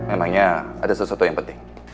emangnya ada sesuatu yang penting